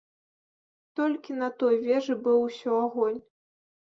Толькі на той вежы быў усё агонь.